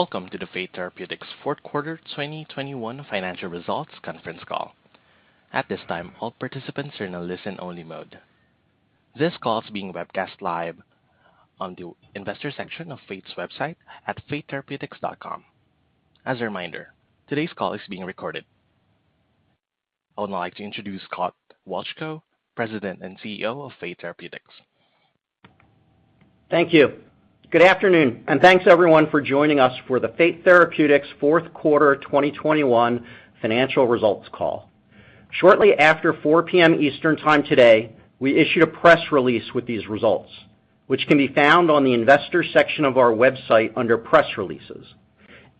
Welcome to the Fate Therapeutics Fourth Quarter 2021 Financial Results Conference Call. At this time, all participants are in a listen-only mode. This call is being webcast live on the investor section of Fate's website at fatetherapeutics.com. As a reminder, today's call is being recorded. I would now like to introduce Scott Wolchko, President and CEO of Fate Therapeutics. Thank you. Good afternoon, and thanks everyone for joining us for the Fate Therapeutics Fourth Quarter 2021 Financial Results Call. Shortly after 4:00 P.M. Eastern Time today, we issued a press release with these results, which can be found on the investor section of our website under Press Releases.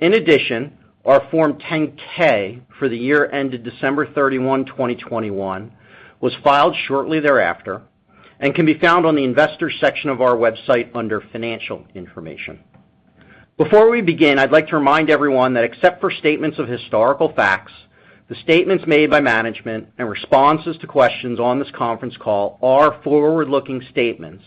In addition, our Form 10-K for the year ended December 31, 2021 was filed shortly thereafter and can be found on the investor section of our website under Financial Information. Before we begin, I'd like to remind everyone that except for statements of historical facts, the statements made by management in responses to questions on this conference call are forward-looking statements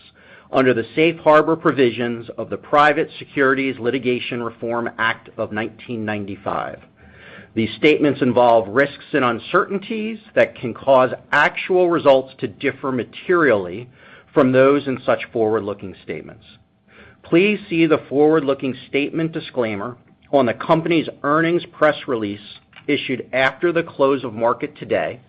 under the Safe Harbor provisions of the Private Securities Litigation Reform Act of 1995. These statements involve risks and uncertainties that can cause actual results to differ materially from those in such forward-looking statements. Please see the forward-looking statement disclaimer on the company's earnings press release issued after the close of market today,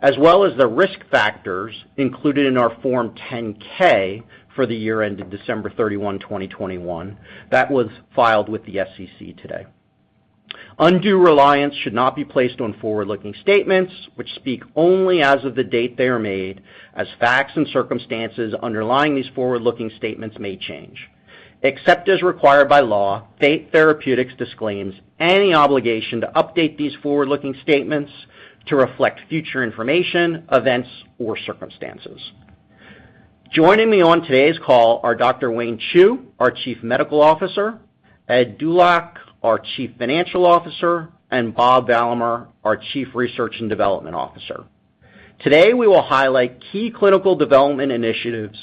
as well as the risk factors included in our Form 10-K for the year ended December 31, 2021 that was filed with the SEC today. Undue reliance should not be placed on forward-looking statements which speak only as of the date they are made, as facts and circumstances underlying these forward-looking statements may change. Except as required by law, Fate Therapeutics disclaims any obligation to update these forward-looking statements to reflect future information, events, or circumstances. Joining me on today's call are Dr. Wayne Chu, our Chief Medical Officer, Ed Dulac, our Chief Financial Officer, and Bob Valamehr, our Chief Research and Development Officer. Today, we will highlight key clinical development initiatives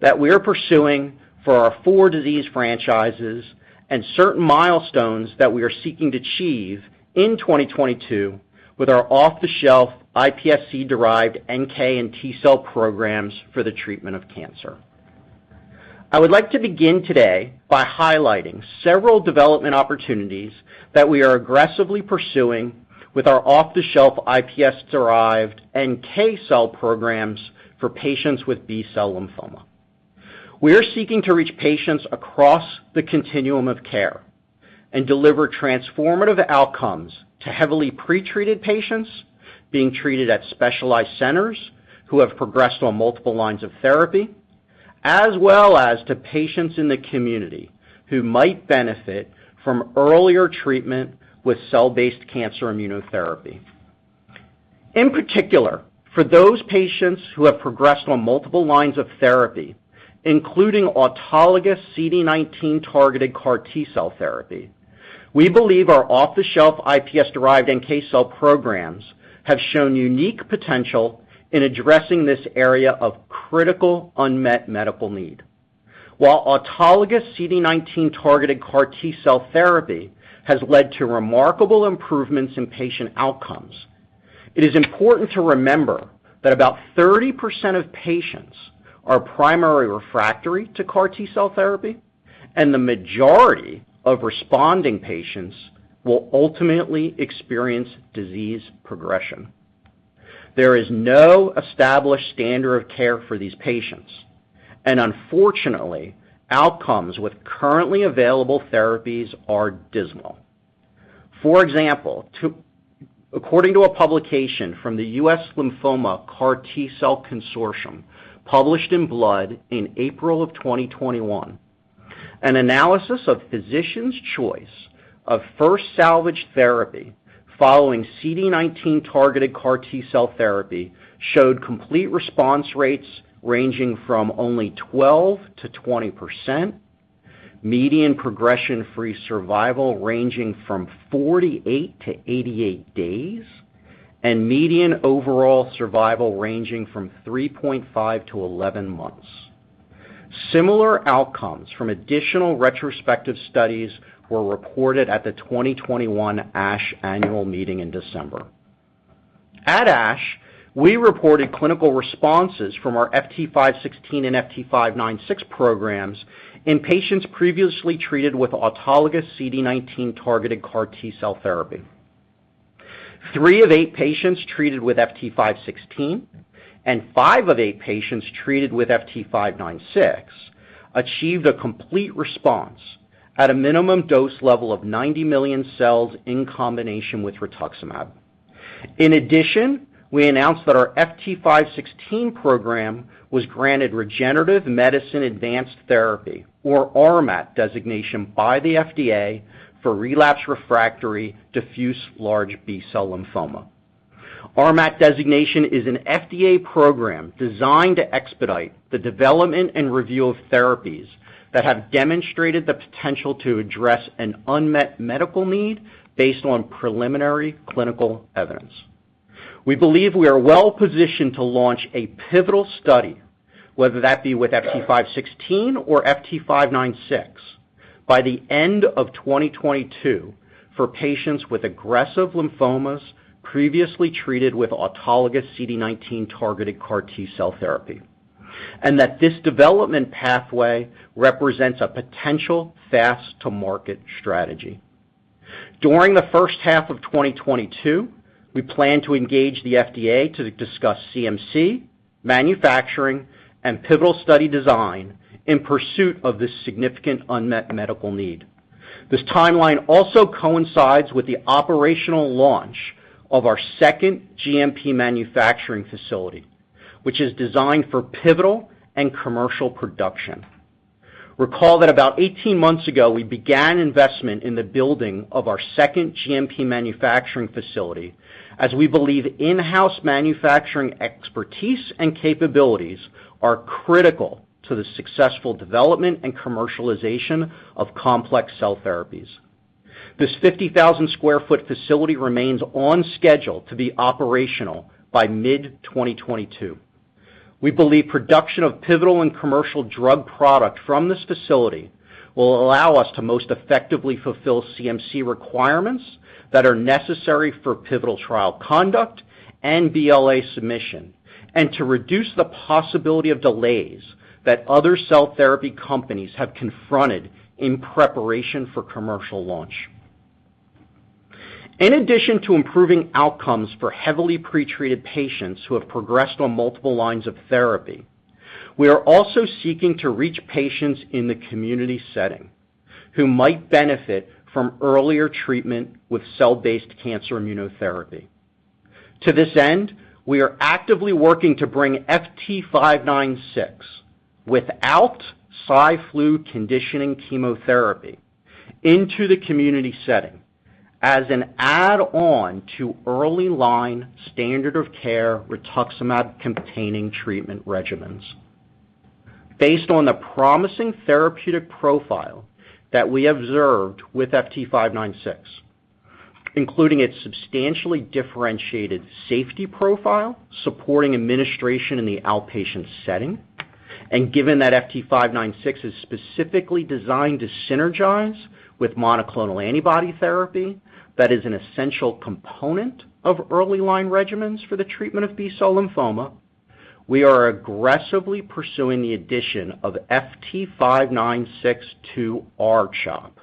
that we are pursuing for our four disease franchises and certain milestones that we are seeking to achieve in 2022 with our off-the-shelf iPSC-derived NK and T-cell programs for the treatment of cancer. I would like to begin today by highlighting several development opportunities that we are aggressively pursuing with our off-the-shelf iPSC-derived NK cell programs for patients with B-cell lymphoma. We are seeking to reach patients across the continuum of care and deliver transformative outcomes to heavily pre-treated patients being treated at specialized centers who have progressed on multiple lines of therapy, as well as to patients in the community who might benefit from earlier treatment with cell-based cancer immunotherapy. In particular, for those patients who have progressed on multiple lines of therapy, including autologous CD19-targeted CAR T-cell therapy, we believe our off-the-shelf iPSC-derived NK cell programs have shown unique potential in addressing this area of critical unmet medical need. While autologous CD19-targeted CAR T-cell therapy has led to remarkable improvements in patient outcomes, it is important to remember that about 30% of patients are primary refractory to CAR T-cell therapy, and the majority of responding patients will ultimately experience disease progression. There is no established standard of care for these patients, and unfortunately, outcomes with currently available therapies are dismal. For example, to According to a publication from the US Lymphoma CAR T Consortium, published in Blood in April 2021, an analysis of physicians' choice of first salvaged therapy following CD19-targeted CAR T-cell therapy showed complete response rates ranging from only 12%-20%, median progression-free survival ranging from 48-88 days, and median overall survival ranging from 3.5-11 months. Similar outcomes from additional retrospective studies were reported at the 2021 ASH Annual Meeting in December. At ASH, we reported clinical responses from our FT516 and FT596 programs in patients previously treated with autologous CD19-targeted CAR T-cell therapy. Three of eight patients treated with FT516 and five of eight patients treated with FT596 achieved a complete response at a minimum dose level of 90 million cells in combination with rituximab. In addition, we announced that our FT516 program was granted Regenerative Medicine Advanced Therapy or RMAT designation by the FDA for relapsed refractory diffuse large B-cell lymphoma. RMAT designation is an FDA program designed to expedite the development and review of therapies that have demonstrated the potential to address an unmet medical need based on preliminary clinical evidence. We believe we are well positioned to launch a pivotal study, whether that be with FT516 or FT596, by the end of 2022 for patients with aggressive lymphomas previously treated with autologous CD19 targeted CAR T-cell therapy, and that this development pathway represents a potential fast-to-market strategy. During the first half of 2022, we plan to engage the FDA to discuss CMC, manufacturing, and pivotal study design in pursuit of this significant unmet medical need. This timeline also coincides with the operational launch of our second GMP manufacturing facility, which is designed for pivotal and commercial production. Recall that about 18 months ago, we began investment in the building of our second GMP manufacturing facility, as we believe in-house manufacturing expertise and capabilities are critical to the successful development and commercialization of complex cell therapies. This 50,000 sq ft facility remains on schedule to be operational by mid-2022. We believe production of pivotal and commercial drug product from this facility will allow us to most effectively fulfill CMC requirements that are necessary for pivotal trial conduct and BLA submission and to reduce the possibility of delays that other cell therapy companies have confronted in preparation for commercial launch. In addition to improving outcomes for heavily pretreated patients who have progressed on multiple lines of therapy, we are also seeking to reach patients in the community setting who might benefit from earlier treatment with cell-based cancer immunotherapy. To this end, we are actively working to bring FT596 without Cy/Flu conditioning chemotherapy into the community setting as an add-on to early-line standard of care rituximab-containing treatment regimens. Based on the promising therapeutic profile that we observed with FT596, including its substantially differentiated safety profile supporting administration in the outpatient setting, and given that FT596 is specifically designed to synergize with monoclonal antibody therapy that is an essential component of early-line regimens for the treatment of B-cell lymphoma, we are aggressively pursuing the addition of FT596 to R-CHOP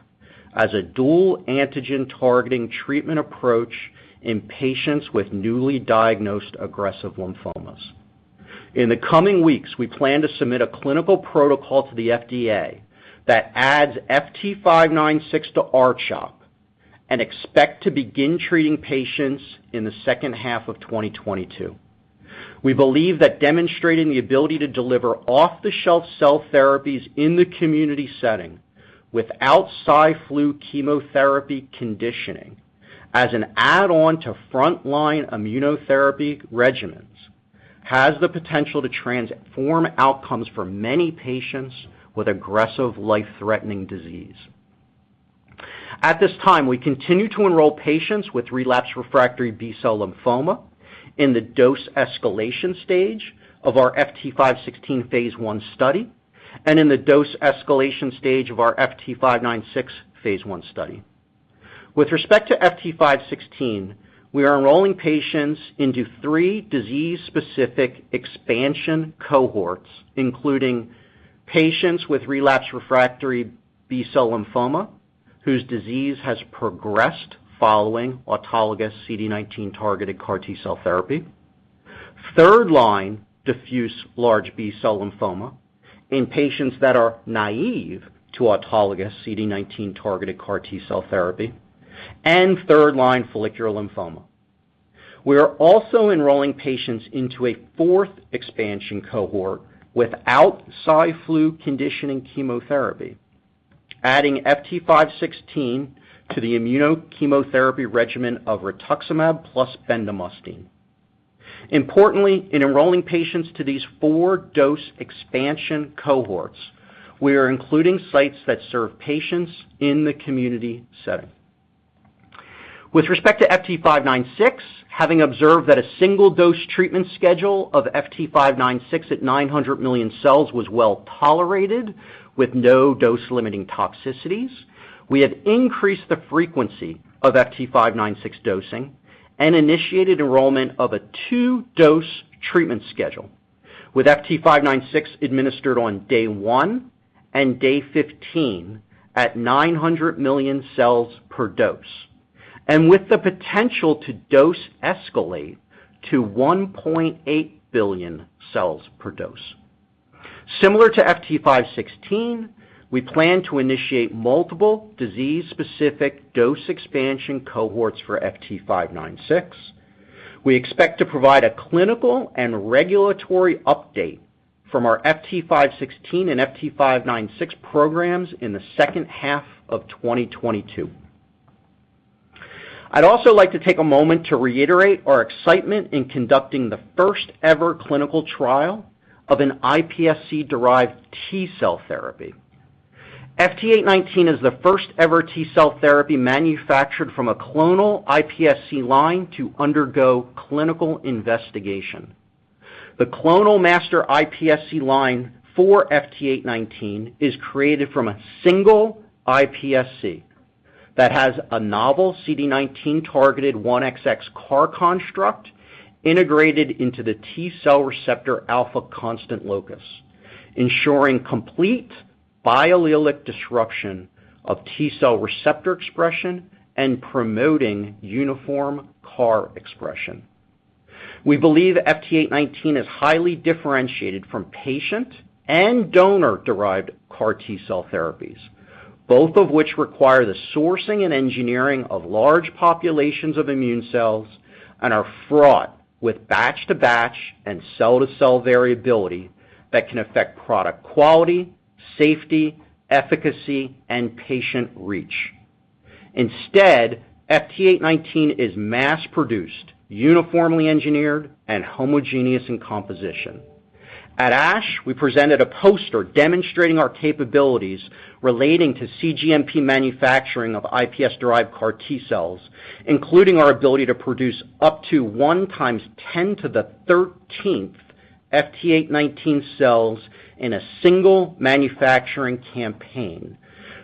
as a dual antigen-targeting treatment approach in patients with newly diagnosed aggressive lymphomas. In the coming weeks, we plan to submit a clinical protocol to the FDA that adds FT596 to R-CHOP and expect to begin treating patients in the second half of 2022. We believe that demonstrating the ability to deliver off-the-shelf cell therapies in the community setting without Cy/Flu chemotherapy conditioning as an add-on to frontline immunotherapy regimens has the potential to transform outcomes for many patients with aggressive life-threatening disease. At this time, we continue to enroll patients with relapsed refractory B-cell lymphoma in the dose escalation stage of our FT516 phase I study and in the dose escalation stage of our FT596 phase I study. With respect to FT516, we are enrolling patients into three disease-specific expansion cohorts, including patients with relapsed refractory B-cell lymphoma whose disease has progressed following autologous CD19 targeted CAR T-cell therapy, third line diffuse large B-cell lymphoma in patients that are naive to autologous CD19 targeted CAR T-cell therapy, and third line follicular lymphoma. We are also enrolling patients into a fourth expansion cohort without Cy/Flu conditioning chemotherapy, adding FT516 to the immunochemotherapy regimen of rituximab plus bendamustine. Importantly, in enrolling patients to these four dose expansion cohorts, we are including sites that serve patients in the community setting. With respect to FT596, having observed that a single dose treatment schedule of FT596 at 900 million cells was well-tolerated with no dose-limiting toxicities, we have increased the frequency of FT596 dosing and initiated enrollment of a two-dose treatment schedule with FT596 administered on day one and day 15 at 900 million cells per dose, and with the potential to dose escalate to 1.8 billion cells per dose. Similar to FT516, we plan to initiate multiple disease-specific dose expansion cohorts for FT596. We expect to provide a clinical and regulatory update from our FT516 and FT596 programs in the second half of 2022. I'd also like to take a moment to reiterate our excitement in conducting the first-ever clinical trial of an iPSC-derived T-cell therapy. FT819 is the first-ever T-cell therapy manufactured from a clonal iPSC line to undergo clinical investigation. The clonal master iPSC line for FT819 is created from a single iPSC that has a novel CD19-targeted 1XX CAR construct integrated into the T cell receptor alpha constant locus, ensuring complete biallelic disruption of T cell receptor expression and promoting uniform CAR expression. We believe FT819 is highly differentiated from patient and donor-derived CAR T cell therapies, both of which require the sourcing and engineering of large populations of immune cells and are fraught with batch-to-batch and cell-to-cell variability that can affect product quality, safety, efficacy, and patient reach. Instead, FT819 is mass-produced, uniformly engineered, and homogeneous in composition. At ASH, we presented a poster demonstrating our capabilities relating to cGMP manufacturing of iPS-derived CAR T cells, including our ability to produce up to 1 × 10^13 FT819 cells in a single manufacturing campaign,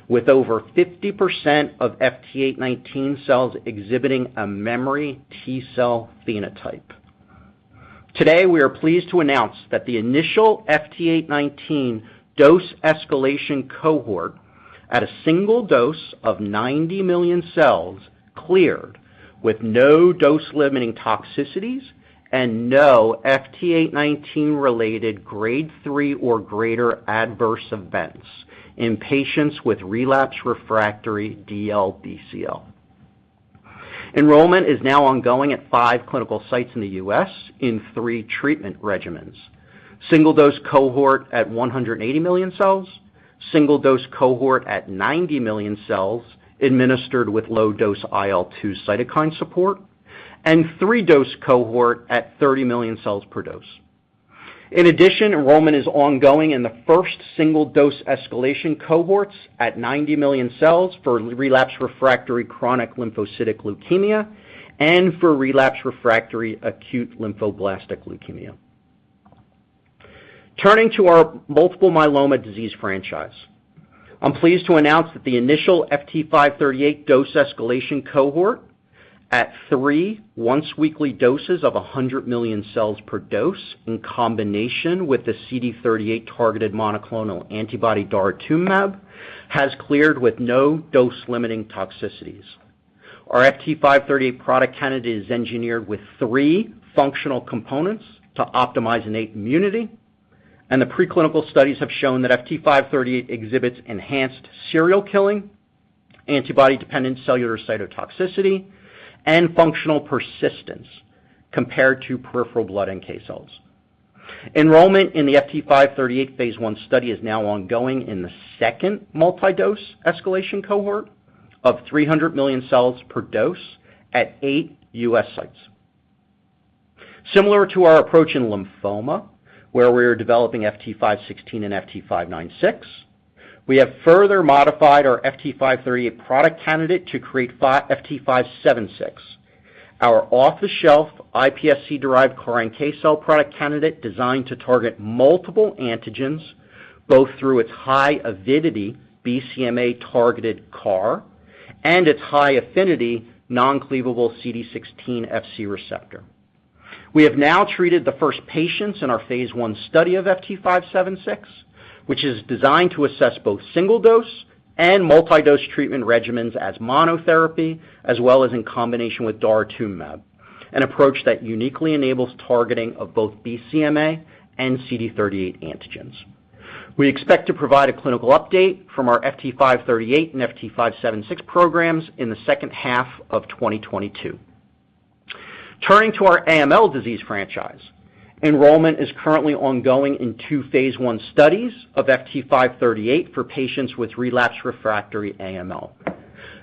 with over 50% of FT819 cells exhibiting a memory T cell phenotype. Today, we are pleased to announce that the initial FT819 dose escalation cohort at a single dose of 90 million cells cleared with no dose-limiting toxicities and no FT819-related grade three or greater adverse events in patients with relapsed refractory DLBCL. Enrollment is now ongoing at five clinical sites in the U.S. in 3 treatment regimens: single-dose cohort at 180 million cells, single-dose cohort at 90 million cells administered with low-dose IL-2 cytokine support, and three-dose cohort at 30 million cells per dose. In addition, enrollment is ongoing in the first single-dose escalation cohorts at 90 million cells for relapse refractory chronic lymphocytic leukemia and for relapse refractory acute lymphoblastic leukemia. Turning to our multiple myeloma disease franchise, I'm pleased to announce that the initial FT538 dose escalation cohort at three once-weekly doses of 100 million cells per dose in combination with the CD38-targeted monoclonal antibody daratumumab has cleared with no dose-limiting toxicities. Our FT538 product candidate is engineered with three functional components to optimize innate immunity, and the preclinical studies have shown that FT538 exhibits enhanced serial killing, antibody-dependent cellular cytotoxicity, and functional persistence compared to peripheral blood NK cells. Enrollment in the FT538 phase I study is now ongoing in the second multi-dose escalation cohort of 300 million cells per dose at 8 U.S. sites. Similar to our approach in lymphoma, where we are developing FT516 and FT596, we have further modified our FT538 product candidate to create FT576, our off-the-shelf iPSC-derived CAR NK cell product candidate designed to target multiple antigens, both through its high avidity BCMA-targeted CAR and its high-affinity non-cleavable CD16 Fc receptor. We have now treated the first patients in our phase I study of FT576, which is designed to assess both single-dose and multi-dose treatment regimens as monotherapy, as well as in combination with daratumumab, an approach that uniquely enables targeting of both BCMA and CD38 antigens. We expect to provide a clinical update from our FT538 and FT576 programs in the second half of 2022. Turning to our AML disease franchise, enrollment is currently ongoing in two phase I studies of FT538 for patients with relapsed refractory AML.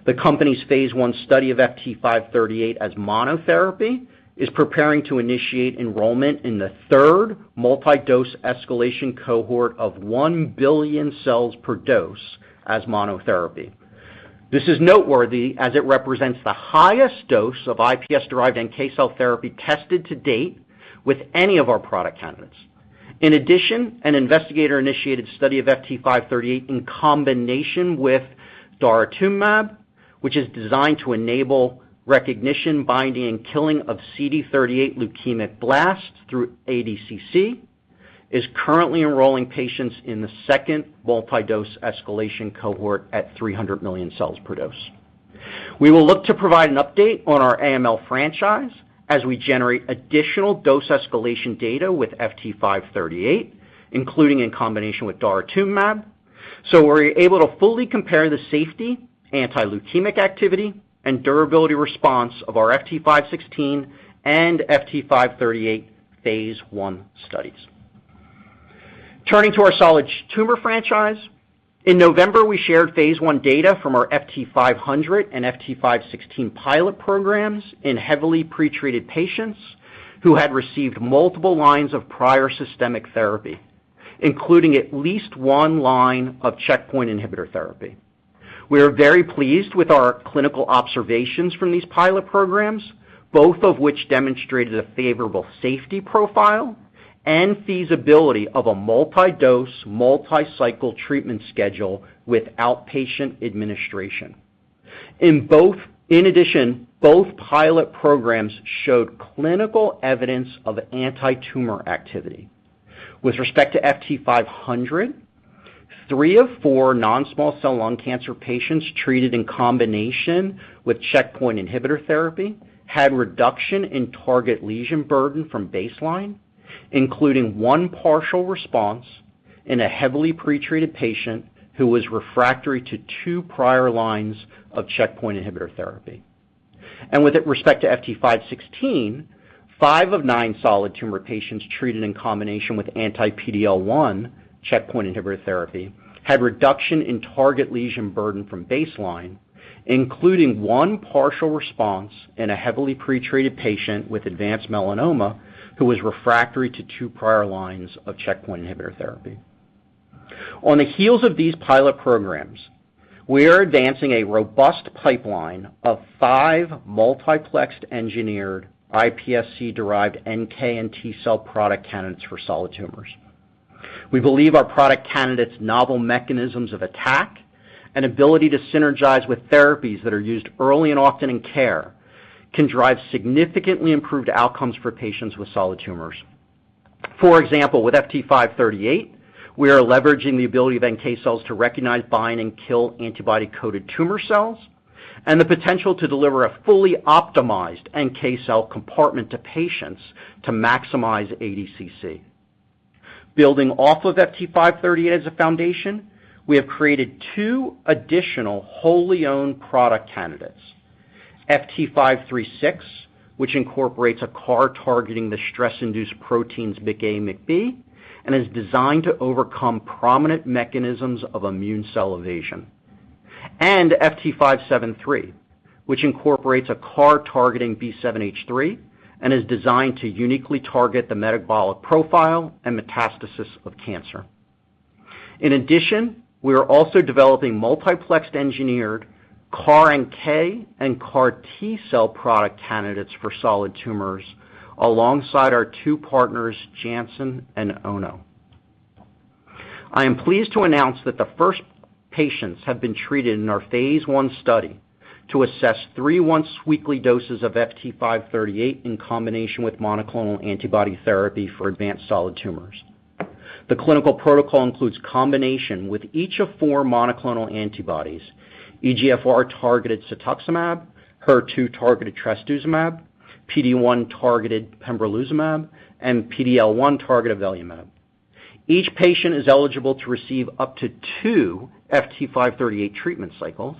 The company's phase I study of FT538 as monotherapy is preparing to initiate enrollment in the third multi-dose escalation cohort of one billion cells per dose as monotherapy. This is noteworthy as it represents the highest dose of iPS-derived NK cell therapy tested to date with any of our product candidates. In addition, an investigator-initiated study of FT538 in combination with daratumumab, which is designed to enable recognition, binding, and killing of CD38 leukemic blasts through ADCC, is currently enrolling patients in the second multi-dose escalation cohort at 300 million cells per dose. We will look to provide an update on our AML franchise as we generate additional dose escalation data with FT538, including in combination with daratumumab, so we're able to fully compare the safety, anti-leukemic activity, and durability response of our FT516 and FT538 phase I studies. Turning to our solid tumor franchise, in November, we shared phase I data from our FT500 and FT516 pilot programs in heavily pretreated patients who had received multiple lines of prior systemic therapy, including at least one line of checkpoint inhibitor therapy. We are very pleased with our clinical observations from these pilot programs, both of which demonstrated a favorable safety profile and feasibility of a multi-dose, multi-cycle treatment schedule with outpatient administration. In addition, both pilot programs showed clinical evidence of antitumor activity. With respect to FT500, three of four non-small cell lung cancer patients treated in combination with checkpoint inhibitor therapy had reduction in target lesion burden from baseline, including one partial response in a heavily pretreated patient who was refractory to two prior lines of checkpoint inhibitor therapy. With respect to FT516, five of nine solid tumor patients treated in combination with anti-PD-L1 checkpoint inhibitor therapy had reduction in target lesion burden from baseline, including one partial response in a heavily pretreated patient with advanced melanoma who was refractory to two prior lines of checkpoint inhibitor therapy. On the heels of these pilot programs, we are advancing a robust pipeline of five multiplexed engineered iPSC-derived NK and T cell product candidates for solid tumors. We believe our product candidates' novel mechanisms of attack and ability to synergize with therapies that are used early and often in care can drive significantly improved outcomes for patients with solid tumors. For example, with FT538, we are leveraging the ability of NK cells to recognize, bind, and kill antibody-coated tumor cells and the potential to deliver a fully optimized NK cell compartment to patients to maximize ADCC. Building off of FT538 as a foundation, we have created two additional wholly owned product candidates, FT536, which incorporates a CAR targeting the stress-induced proteins MICA and MICB and is designed to overcome prominent mechanisms of immune cell evasion. FT573, which incorporates a CAR targeting B7H3 and is designed to uniquely target the metabolic profile and metastasis of cancer. In addition, we are also developing multiplexed engineered CAR-NK and CAR T-cell product candidates for solid tumors alongside our two partners, Janssen and Ono. I am pleased to announce that the first patients have been treated in our phase I study to assess three once-weekly doses of FT538 in combination with monoclonal antibody therapy for advanced solid tumors. The clinical protocol includes combination with each of four monoclonal antibodies, EGFR-targeted cetuximab, HER2-targeted trastuzumab, PD-1-targeted pembrolizumab, and PD-L1-targeted avelumab. Each patient is eligible to receive up to two FT538 treatment cycles,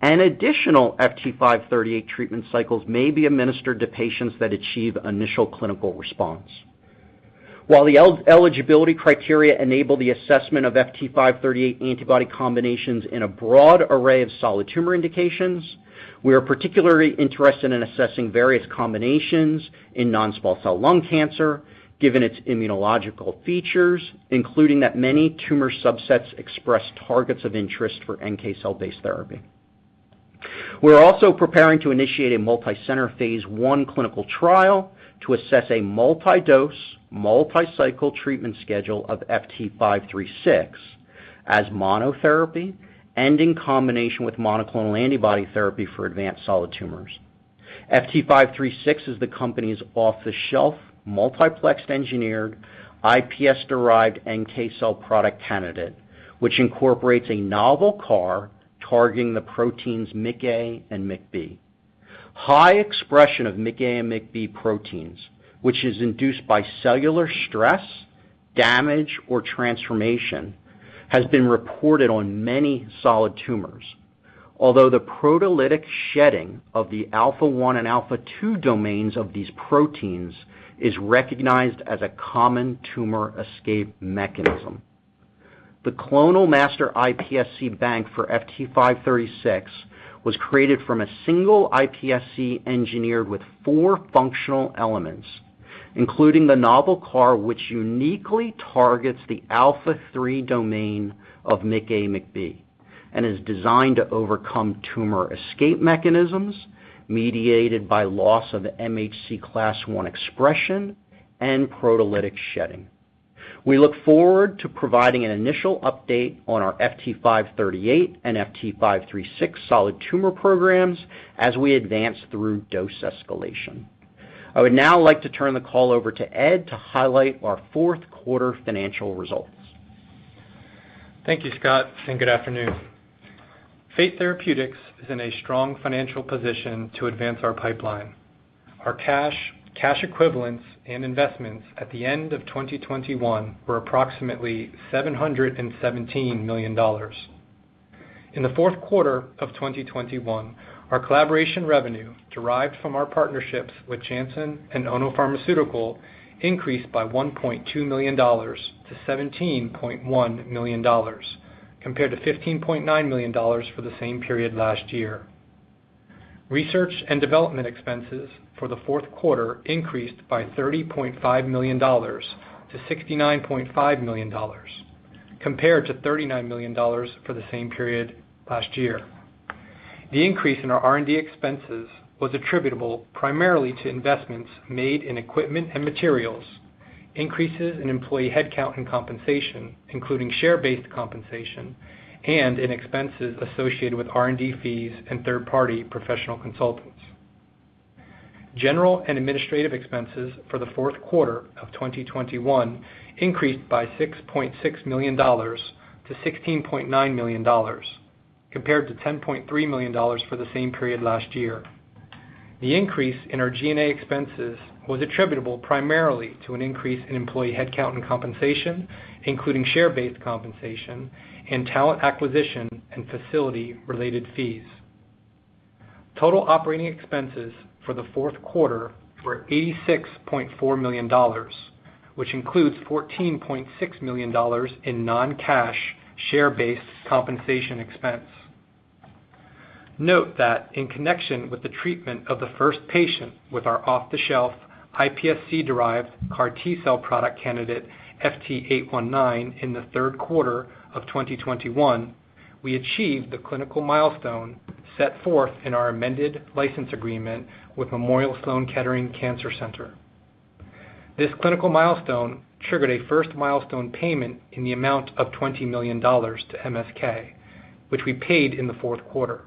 and additional FT538 treatment cycles may be administered to patients that achieve initial clinical response. While the eligibility criteria enable the assessment of FT538 antibody combinations in a broad array of solid tumor indications, we are particularly interested in assessing various combinations in non-small cell lung cancer, given its immunological features, including that many tumor subsets express targets of interest for NK cell-based therapy. We are also preparing to initiate a multicenter phase I clinical trial to assess a multi-dose, multi-cycle treatment schedule of FT536 as monotherapy and in combination with monoclonal antibody therapy for advanced solid tumors. FT536 is the company's off-the-shelf, multiplexed engineered, iPS-derived NK cell product candidate, which incorporates a novel CAR targeting the proteins MICA and MICB. High expression of MICA and MICB proteins, which is induced by cellular stress, damage, or transformation, has been reported on many solid tumors, although the proteolytic shedding of the alpha one and alpha two domains of these proteins is recognized as a common tumor escape mechanism. The clonal master iPSC bank for FT536 was created from a single iPSC engineered with four functional elements, including the novel CAR which uniquely targets the alpha three domain of MICA and MICB and is designed to overcome tumor escape mechanisms mediated by loss of MHC class I expression and proteolytic shedding. We look forward to providing an initial update on our FT538 and FT536 solid tumor programs as we advance through dose escalation. I would now like to turn the call over to Ed to highlight our fourth quarter financial results. Thank you, Scott, and good afternoon. Fate Therapeutics is in a strong financial position to advance our pipeline. Our cash equivalents, and investments at the end of 2021 were approximately $717 million. In the fourth quarter of 2021, our collaboration revenue derived from our partnerships with Janssen and Ono Pharmaceutical increased by $1.2 million to $17.1 million, compared to $15.9 million for the same period last year. Research and development expenses for the fourth quarter increased by $30.5 million to $69.5 million, compared to $39 million for the same period last year. The increase in our R&D expenses was attributable primarily to investments made in equipment and materials, increases in employee headcount and compensation, including share-based compensation and in expenses associated with R&D fees and third-party professional consultants. General and administrative expenses for the fourth quarter of 2021 increased by $6.6 million to $16.9 million compared to $10.3 million for the same period last year. The increase in our G&A expenses was attributable primarily to an increase in employee headcount and compensation, including share-based compensation and talent acquisition and facility-related fees. Total operating expenses for the fourth quarter were $86.4 million, which includes $14.6 million in non-cash share-based compensation expense. Note that in connection with the treatment of the first patient with our off-the-shelf iPSC-derived CAR T-cell product candidate FT819 in the third quarter of 2021, we achieved the clinical milestone set forth in our amended license agreement with Memorial Sloan Kettering Cancer Center. This clinical milestone triggered a first milestone payment in the amount of $20 million to MSK, which we paid in the fourth quarter.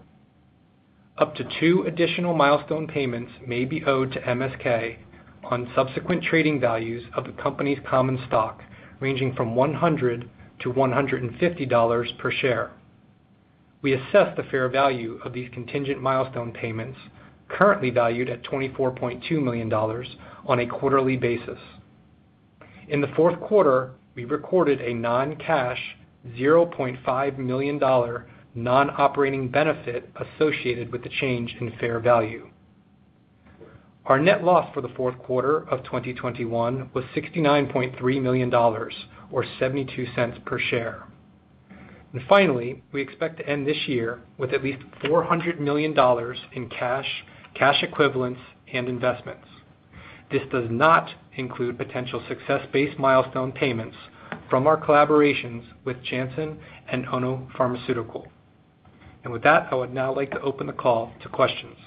Up to two additional milestone payments may be owed to MSK on subsequent trading values of the company's common stock, ranging from $100-$150 per share. We assess the fair value of these contingent milestone payments, currently valued at $24.2 million on a quarterly basis. In the fourth quarter, we recorded a non-cash $0.5 million non-operating benefit associated with the change in fair value. Our net loss for the fourth quarter of 2021 was $69.3 million or $0.72 per share. Finally, we expect to end this year with at least $400 million in cash equivalents, and investments. This does not include potential success-based milestone payments from our collaborations with Janssen and Ono Pharmaceutical. With that, I would now like to open the call to questions.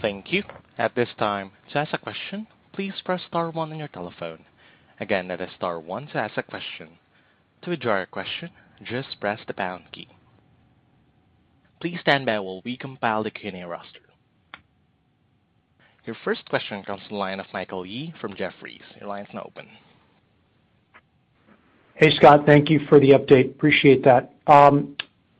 Thank you. At this time, to ask a question, please press star one on your telephone. Again, that is star one to ask a question. To withdraw your question, just press the pound key. Please stand by while we compile the Q&A roster. Your first question comes from the line of Michael Yee from Jefferies. Your line is now open. Hey, Scott, thank you for the update. Appreciate that.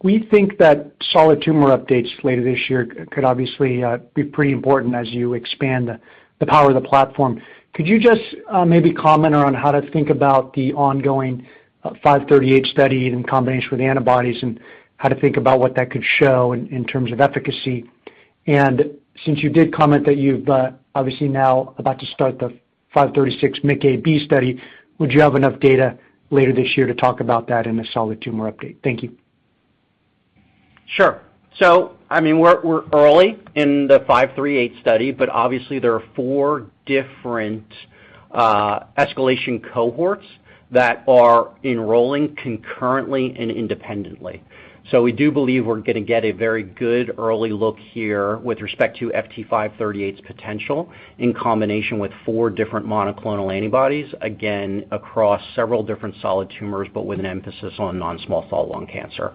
We think that solid tumor updates later this year could obviously be pretty important as you expand the power of the platform. Could you just maybe comment on how to think about the ongoing FT538 study in combination with antibodies and how to think about what that could show in terms of efficacy? Since you did comment that you've obviously now about to start the FT536 MICA/B study, would you have enough data later this year to talk about that in a solid tumor update? Thank you. Sure. I mean, we're early in the FT538 study, but obviously there are four different escalation cohorts that are enrolling concurrently and independently. We do believe we're gonna get a very good early look here with respect to FT538's potential in combination with four different monoclonal antibodies, again, across several different solid tumors, but with an emphasis on non-small cell lung cancer.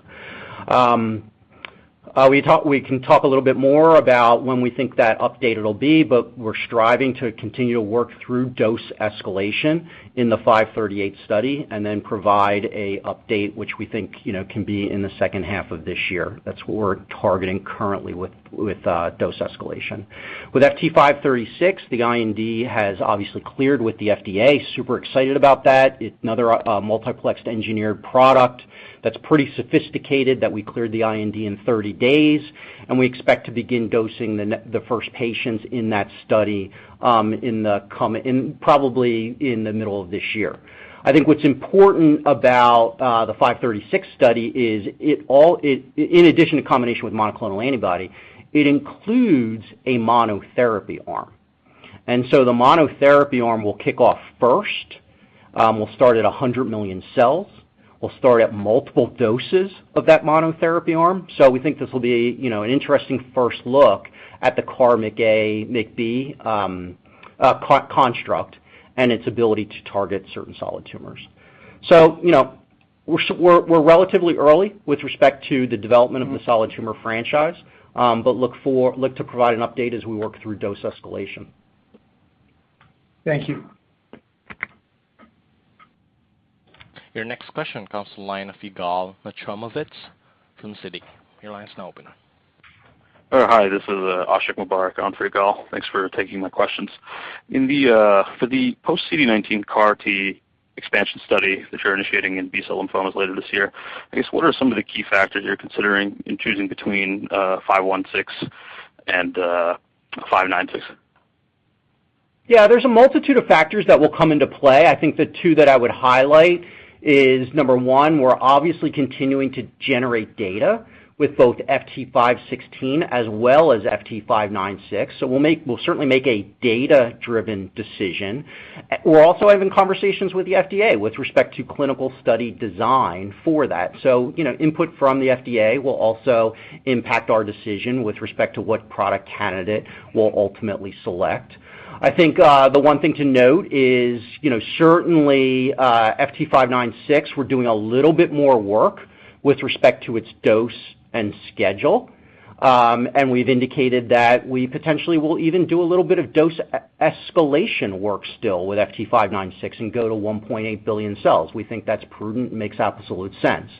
We can talk a little bit more about when we think that update it'll be, but we're striving to continue to work through dose escalation in the FT538 study and then provide an update, which we think, you know, can be in the second half of this year. That's what we're targeting currently with dose escalation. With FT536, the IND has obviously cleared with the FDA. Super excited about that. It's another multiplexed engineered product that's pretty sophisticated that we cleared the IND in 30 days, and we expect to begin dosing the next, the first patients in that study in probably the middle of this year. I think what's important about the FT536 study is in addition to combination with monoclonal antibody, it includes a monotherapy arm. The monotherapy arm will kick off first, we'll start at 100 million cells. We'll start at multiple doses of that monotherapy arm. We think this will be, you know, an interesting first look at the CAR MICA/MICB construct and its ability to target certain solid tumors. You know, we're relatively early with respect to the development of the solid tumor franchise, but look to provide an update as we work through dose escalation. Thank you. Your next question comes from the line of Yigal Nochomovitz from Citi. Your line is now open. Hi, this is Ashiq Mubarack on for Yigal Nochomovitz. Thanks for taking my questions. For the post CD19 CAR T expansion study that you're initiating in B-cell lymphomas later this year, I guess what are some of the key factors you're considering in choosing between FT516 and FT596? Yeah, there's a multitude of factors that will come into play. I think the two that I would highlight is number one, we're obviously continuing to generate data with both FT516 as well as FT596. So we'll certainly make a data-driven decision. We're also having conversations with the FDA with respect to clinical study design for that. So, you know, input from the FDA will also impact our decision with respect to what product candidate we'll ultimately select. I think, the one thing to note is, you know, certainly, FT596, we're doing a little bit more work with respect to its dose and schedule. And we've indicated that we potentially will even do a little bit of dose escalation work still with FT596 and go to 1.8 billion cells. We think that's prudent, makes absolute sense.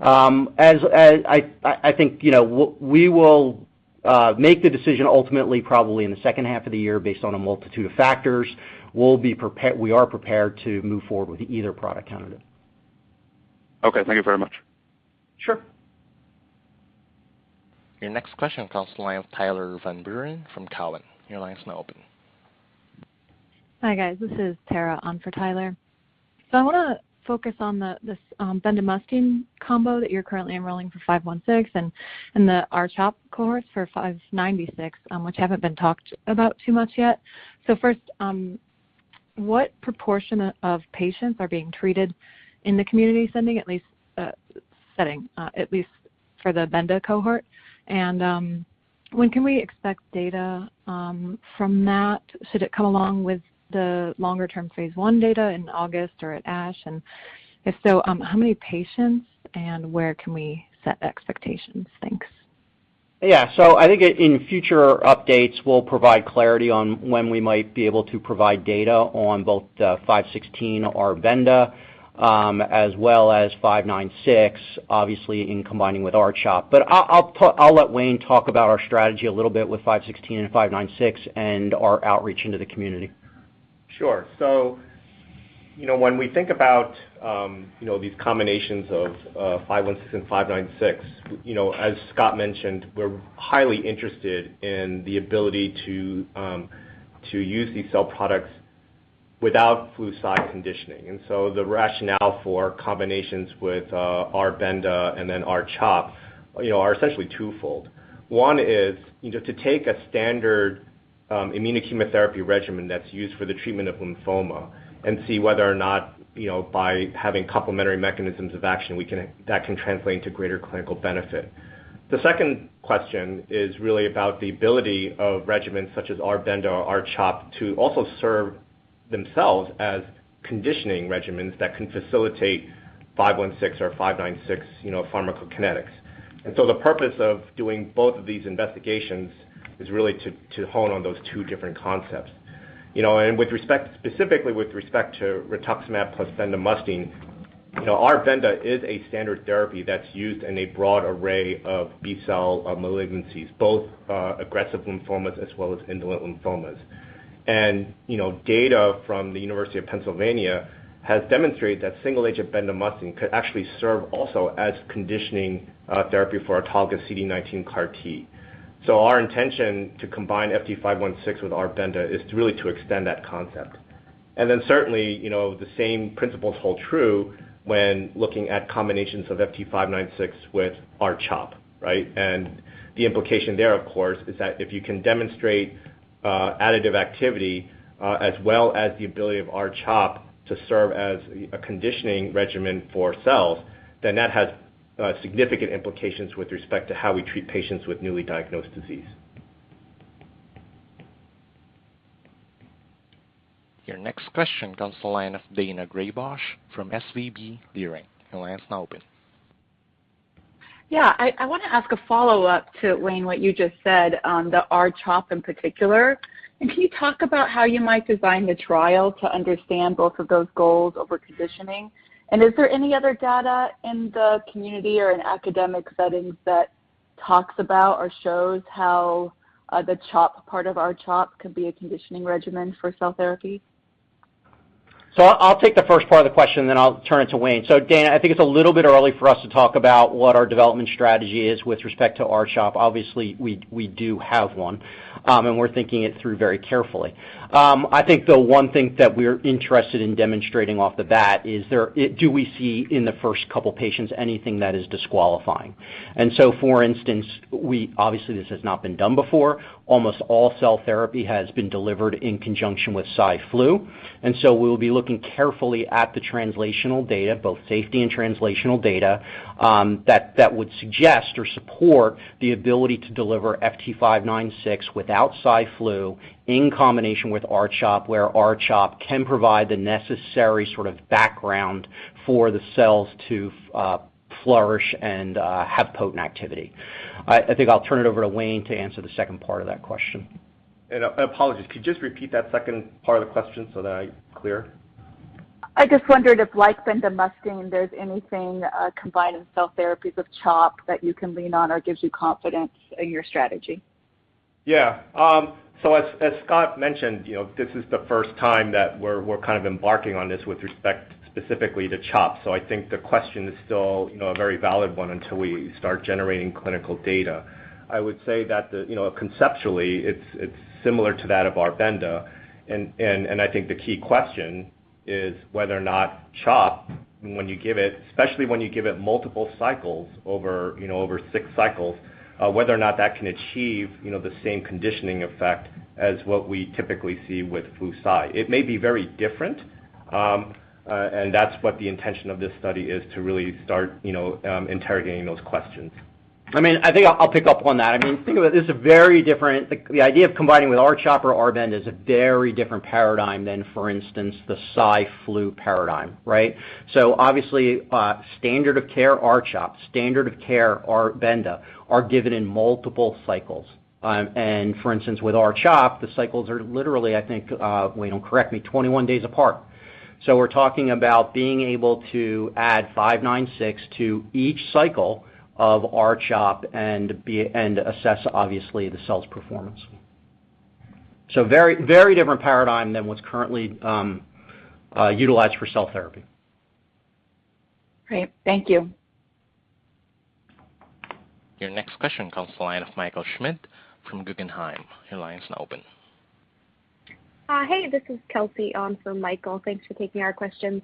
I think, you know, we will make the decision ultimately probably in the second half of the year based on a multitude of factors. We are prepared to move forward with either product candidate. Okay, thank you very much. Sure. Your next question comes from the line of Tyler Van Buren from Cowen. Your line is now open. Hi, guys. This is Tara on for Tyler. I wanna focus on this bendamustine combo that you're currently enrolling for 516 and the R-CHOP course for 596, which haven't been talked about too much yet. First, what proportion of patients are being treated in the community setting at least for the Benda cohort? And when can we expect data from that? Should it come along with the longer-term phase I data in August or at ASH? And if so, how many patients and where can we set expectations? Thanks. I think in future updates, we'll provide clarity on when we might be able to provide data on both, 516 or Benda, as well as 596, obviously in combination with R-CHOP. I'll let Wayne talk about our strategy a little bit with 516 and 596 and our outreach into the community. Sure. You know, when we think about, you know, these combinations of FT516 and FT596, you know, as Scott mentioned, we're highly interested in the ability to to use these cell products without flu/cy conditioning. The rationale for combinations with R-Benda and then R-CHOP, you know, are essentially twofold. One is, you know, to take a standard immuno-chemotherapy regimen that's used for the treatment of lymphoma and see whether or not, you know, by having complementary mechanisms of action that can translate into greater clinical benefit. The second question is really about the ability of regimens such as R-Benda or R-CHOP to also serve as conditioning regimens that can facilitate FT516 or FT596, you know, pharmacokinetics. The purpose of doing both of these investigations is really to hone on those two different concepts. You know, with respect, specifically with respect to rituximab plus bendamustine, you know, R-Benda is a standard therapy that's used in a broad array of B-cell malignancies, both aggressive lymphomas as well as indolent lymphomas. You know, data from the University of Pennsylvania has demonstrated that single agent bendamustine could actually serve also as conditioning therapy for autologous CD19 CAR T. Our intention to combine FT516 with R-Benda is really to extend that concept. Certainly, you know, the same principles hold true when looking at combinations of FT596 with R-CHOP, right? The implication there, of course, is that if you can demonstrate additive activity, as well as the ability of R-CHOP to serve as a conditioning regimen for cells, then that has significant implications with respect to how we treat patients with newly diagnosed disease. Your next question comes from the line of Daina Graybosch from SVB Leerink. Your line is now open. Yeah, I wanna ask a follow-up to Wayne, what you just said on the R-CHOP in particular. Can you talk about how you might design the trial to understand both of those goals over conditioning? Is there any other data in the community or in academic settings that talks about or shows how the CHOP part of R-CHOP could be a conditioning regimen for cell therapy? I'll take the first part of the question, then I'll turn it to Wayne. Daina, I think it's a little bit early for us to talk about what our development strategy is with respect to R-CHOP. Obviously, we do have one, and we're thinking it through very carefully. I think the one thing that we're interested in demonstrating off the bat is. Do we see in the first couple of patients anything that is disqualifying? For instance, obviously this has not been done before. Almost all cell therapy has been delivered in conjunction with Cy/Flu. We'll be looking carefully at the translational data, both safety and translational data, that would suggest or support the ability to deliver FT596 without Cy/Flu in combination with R-CHOP, where R-CHOP can provide the necessary sort of background for the cells to flourish and have potent activity. I think I'll turn it over to Wayne to answer the second part of that question. Apologies. Could you just repeat that second part of the question so that I'm clear? I just wondered if, like bendamustine, there's anything combined in cell therapies with CHOP that you can lean on or gives you confidence in your strategy. Yeah. So as Scott mentioned, you know, this is the first time that we're kind of embarking on this with respect specifically to CHOP. I think the question is still, you know, a very valid one until we start generating clinical data. I would say that the. You know, conceptually, it's similar to that of R-Benda. And I think the key question is whether or not CHOP, when you give it, especially when you give it multiple cycles over, you know, over six cycles, whether or not that can achieve, you know, the same conditioning effect as what we typically see with flu/cy. It may be very different, and that's what the intention of this study is to really start, you know, interrogating those questions. I mean, I think I'll pick up on that. I mean, think of it, this is a very different. Like, the idea of combining with R-CHOP or R-Benda is a very different paradigm than, for instance, the Cy/Flu paradigm, right? Obviously, standard of care R-CHOP, standard of care R-Benda are given in multiple cycles. For instance, with R-CHOP, the cycles are literally, I think, Wayne will correct me, 21 days apart. We're talking about being able to add 596 to each cycle of R-CHOP and assess, obviously, the cell's performance. Very, very different paradigm than what's currently utilized for cell therapy. Great. Thank you. Your next question comes from the line of Michael Schmidt from Guggenheim. Your line is now open. Hey, this is Kelsey on for Michael. Thanks for taking our questions.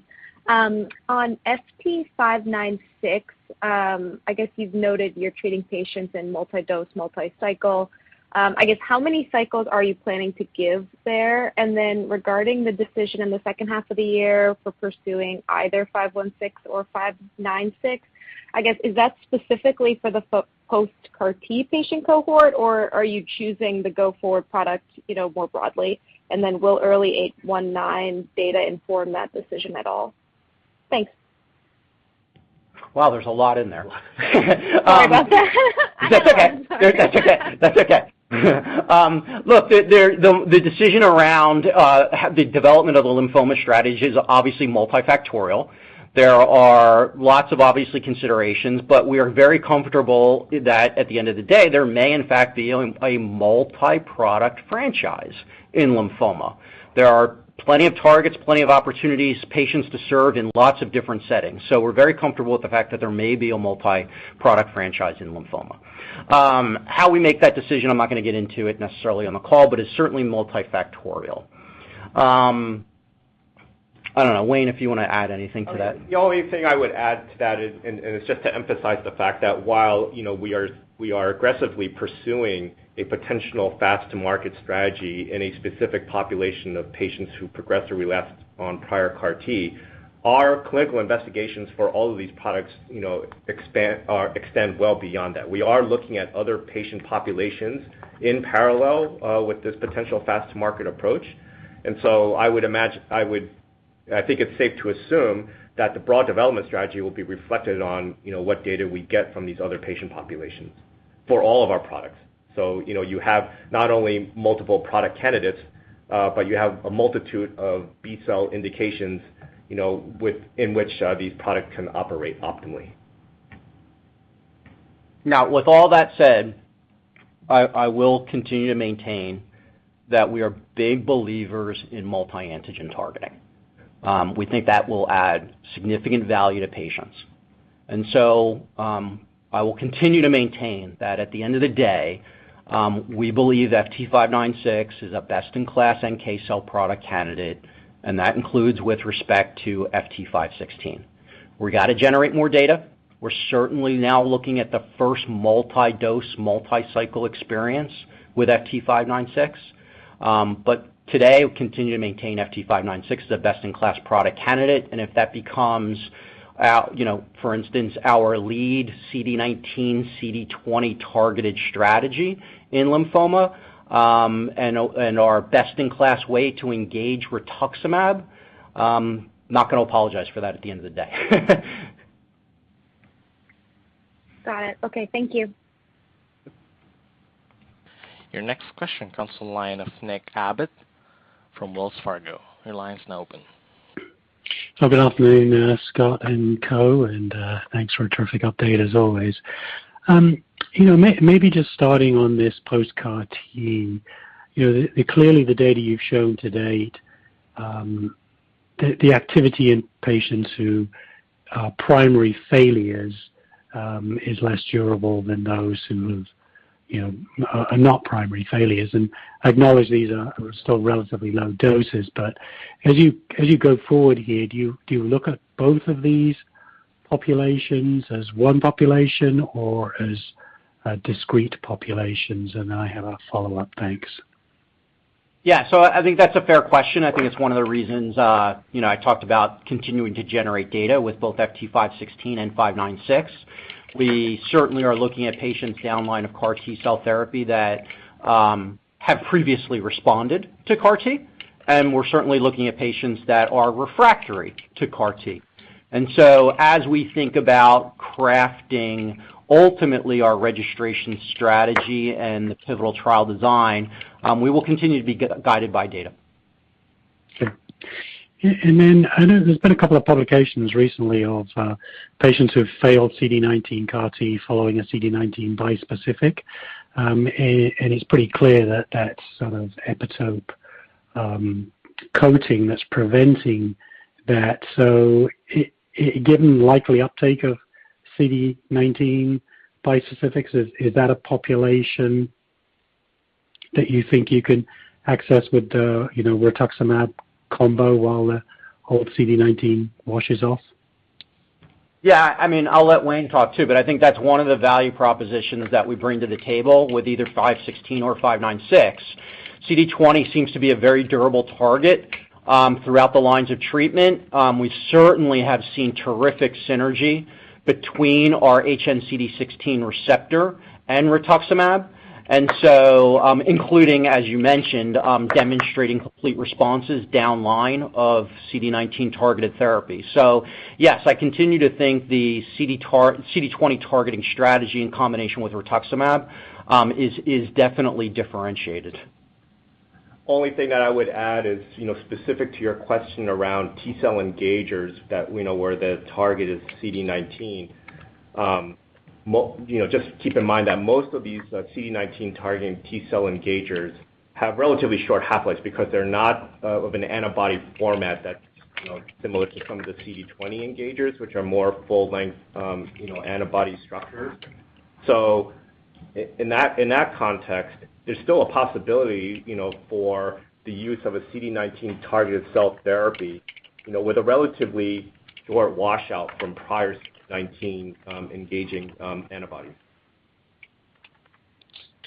On FT596, I guess you've noted you're treating patients in multi-dose, multi-cycle. I guess how many cycles are you planning to give there? And then regarding the decision in the second half of the year for pursuing either FT516 or FT596, I guess, is that specifically for the post CAR T patient cohort, or are you choosing the go-forward product, you know, more broadly? And then will early FT819 data inform that decision at all? Thanks. Wow, there's a lot in there. Sorry about that. That's okay. That's okay. Look, the decision around the development of the lymphoma strategy is obviously multifactorial. There are lots of obvious considerations, but we are very comfortable that at the end of the day, there may in fact be a multi-product franchise in lymphoma. There are plenty of targets, plenty of opportunities, patients to serve in lots of different settings. We're very comfortable with the fact that there may be a multi-product franchise in lymphoma. How we make that decision, I'm not gonna get into it necessarily on the call, but it's certainly multifactorial. I don't know. Wayne, if you wanna add anything to that. The only thing I would add to that is it's just to emphasize the fact that while, you know, we are aggressively pursuing a potential fast-to-market strategy in a specific population of patients who progress or relapse on prior CAR T, our clinical investigations for all of these products, you know, expand or extend well beyond that. We are looking at other patient populations in parallel with this potential fast-to-market approach. I think it's safe to assume that the broad development strategy will be reflected on, you know, what data we get from these other patient populations for all of our products. You know, you have not only multiple product candidates, but you have a multitude of B-cell indications, you know, in which these products can operate optimally. Now, with all that said, I will continue to maintain that we are big believers in multi-antigen targeting. We think that will add significant value to patients. I will continue to maintain that at the end of the day, we believe FT596 is a best-in-class NK cell product candidate, and that includes with respect to FT516. We gotta generate more data. We're certainly now looking at the first multi-dose, multi-cycle experience with FT596. But today, we continue to maintain FT596 as a best-in-class product candidate, and if that becomes out, you know, for instance, our lead CD19, CD20 targeted strategy in lymphoma, and our best-in-class way to engage rituximab, not gonna apologize for that at the end of the day. Got it. Okay. Thank you. Your next question comes from the line of Nick Abbott from Wells Fargo. Your line is now open. Good afternoon, Scott and co, and thanks for a terrific update as always. You know, maybe just starting on this post-CAR T, you know, clearly the data you've shown to date, the activity in patients who are primary failures is less durable than those who, you know, are not primary failures. I acknowledge these are still relatively low doses, but as you go forward here, do you look at both of these populations as one population or as discrete populations? I have a follow-up. Thanks. Yeah. I think that's a fair question. I think it's one of the reasons, you know, I talked about continuing to generate data with both FT516 and FT596. We certainly are looking at patients downline of CAR T-cell therapy that have previously responded to CAR T, and we're certainly looking at patients that are refractory to CAR T. As we think about crafting ultimately our registration strategy and the pivotal trial design, we will continue to be guided by data. Sure. Then I know there's been a couple of publications recently of patients who've failed CD19 CAR T following a CD19 bispecific, and it's pretty clear that that sort of epitope coating that's preventing that. Given likely uptake of CD19 bispecifics, is that a population that you think you can access with the, you know, rituximab combo while the old CD19 washes off? Yeah. I mean, I'll let Wayne talk too, but I think that's one of the value propositions that we bring to the table with either FT516 or FT596. CD20 seems to be a very durable target throughout the lines of treatment. We certainly have seen terrific synergy between our hnCD16 receptor and rituximab, including, as you mentioned, demonstrating complete responses downline of CD19 targeted therapy. Yes, I continue to think the CD20 targeting strategy in combination with rituximab is definitely differentiated. Only thing that I would add is, you know, specific to your question around T-cell engagers that we know where the target is CD19. You know, just keep in mind that most of these CD19 targeting T-cell engagers have relatively short half-lives because they're not of an antibody format that's, you know, similar to some of the CD20 engagers, which are more full length, you know, antibody structures. So in that context, there's still a possibility, you know, for the use of a CD19 targeted cell therapy, you know, with a relatively short washout from prior 19-engaging antibodies.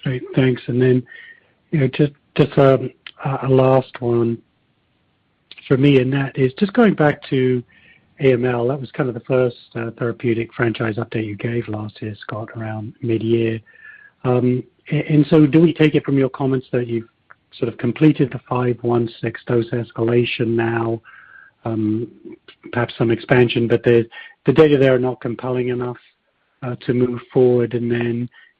All right. Thanks. You know, just a last one for me and that is just going back to AML. That was kind of the first therapeutic franchise update you gave last year, Scott, around mid-year. Do we take it from your comments that you've sort of completed the 516 dose escalation now, perhaps some expansion, but the data there are not compelling enough to move forward?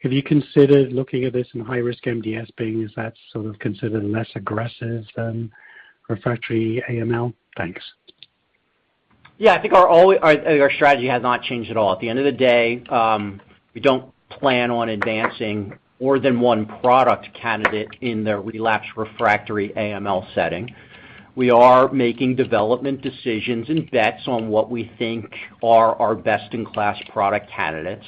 Have you considered looking at this in high-risk MDS being as that's sort of considered less aggressive than refractory AML? Thanks. Yeah. I think our strategy has not changed at all. At the end of the day, we don't plan on advancing more than one product candidate in the relapsed refractory AML setting. We are making development decisions and bets on what we think are our best-in-class product candidates.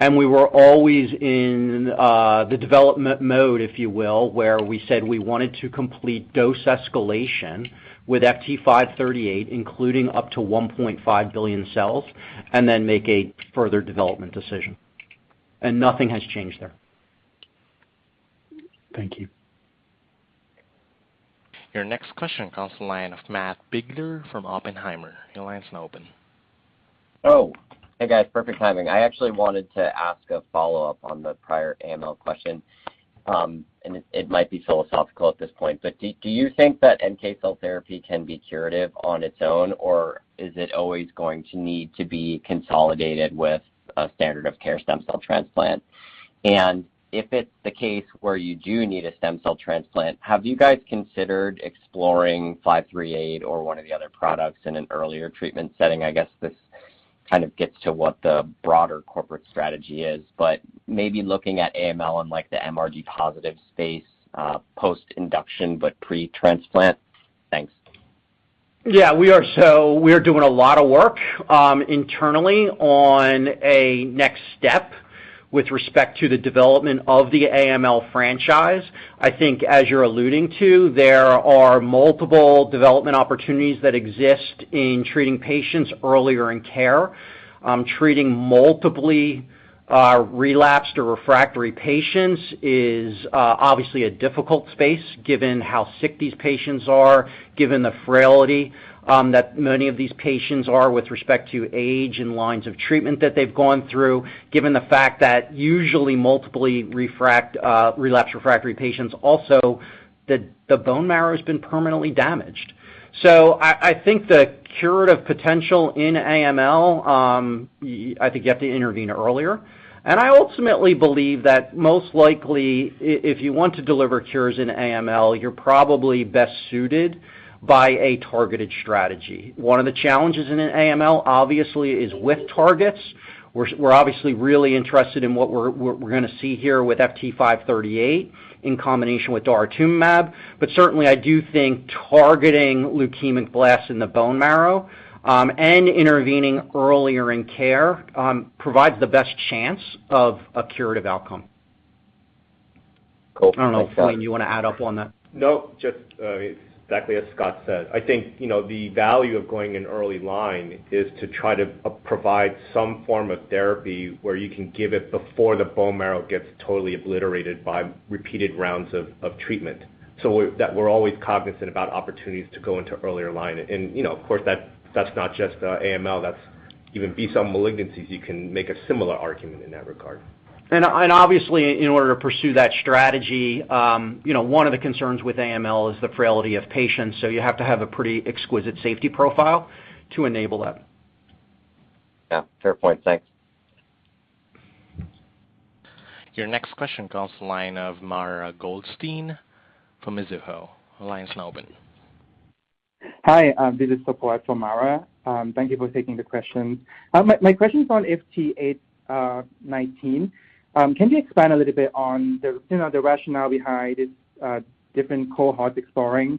We were always in the development mode, if you will, where we said we wanted to complete dose escalation with FT538, including up to 1.5 billion cells, and then make a further development decision. Nothing has changed there. Thank you. Your next question comes to the line of Matt Biegler from Oppenheimer. Your line is now open. Oh, hey, guys. Perfect timing. I actually wanted to ask a follow-up on the prior AML question. And it might be philosophical at this point, but do you think that NK cell therapy can be curative on its own, or is it always going to need to be consolidated with a standard of care stem cell transplant? And if it's the case where you do need a stem cell transplant, have you guys considered exploring FT538 or one of the other products in an earlier treatment setting? I guess this kind of gets to what the broader corporate strategy is, but maybe looking at AML in like the MRD positive space, post-induction but pre-transplant. Thanks. Yeah. We are doing a lot of work internally on a next step with respect to the development of the AML franchise. I think as you're alluding to, there are multiple development opportunities that exist in treating patients earlier in care. Treating multiply relapsed or refractory patients is obviously a difficult space given how sick these patients are, given the frailty that many of these patients are with respect to age and lines of treatment that they've gone through, given the fact that usually multiply relapsed refractory patients also the bone marrow has been permanently damaged. I think the curative potential in AML. You have to intervene earlier. I ultimately believe that most likely if you want to deliver cures in AML, you're probably best suited by a targeted strategy. One of the challenges in an AML obviously is with targets. We're obviously really interested in what we're gonna see here with FT538 in combination with daratumumab. Certainly, I do think targeting leukemic blasts in the bone marrow, and intervening earlier in care, provides the best chance of a curative outcome. Cool. I don't know, Wayne, you wanna add up on that? No, just exactly as Scott said. I think, you know, the value of going in early line is to try to provide some form of therapy where you can give it before the bone marrow gets totally obliterated by repeated rounds of treatment. That we're always cognizant about opportunities to go into earlier line. You know, of course, that's not just AML, that's even B-cell malignancies, you can make a similar argument in that regard. Obviously in order to pursue that strategy, you know, one of the concerns with AML is the frailty of patients, so you have to have a pretty exquisite safety profile to enable that. Yeah, fair point. Thanks. Your next question comes to the line of Mara Goldstein from Mizuho. Your line is now open. Hi. This is Mara. Thank you for taking the question. My question is on FT819. Can you expand a little bit on the, you know, the rationale behind its different cohorts exploring,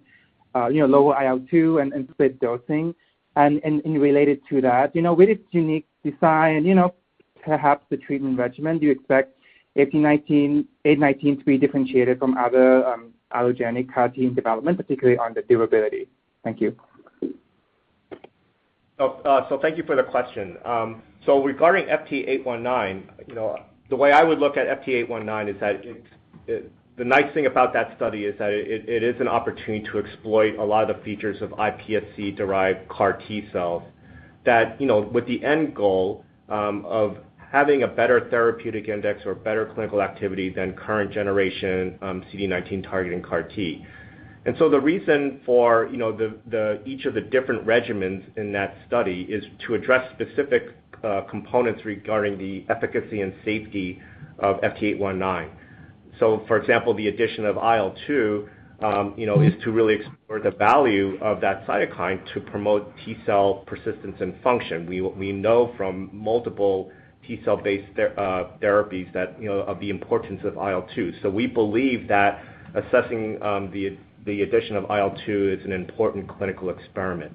you know, lower IL-2 and split dosing? And related to that, you know, with its unique design, perhaps the treatment regimen, do you expect FT819 to be differentiated from other allogeneic CAR T development, particularly on the durability? Thank you. Thank you for the question. Regarding FT819, you know, the way I would look at FT819 is that it's. The nice thing about that study is that it is an opportunity to exploit a lot of the features of iPSC-derived CAR T cells that, you know, with the end goal of having a better therapeutic index or better clinical activity than current generation CD19-targeting CAR T. The reason for, you know, each of the different regimens in that study is to address specific components regarding the efficacy and safety of FT819. For example, the addition of IL-2, you know, is to really explore the value of that cytokine to promote T-cell persistence and function. We know from multiple T-cell based therapies that you know of the importance of IL-2. We believe that assessing the addition of IL-2 is an important clinical experiment.